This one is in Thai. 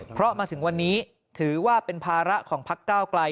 เพราะมาถึงวันนี้ถือว่าเป็นภาระของพักก้าวไกล